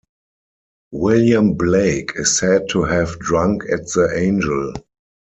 William Blake is said to have drunk at the Angel.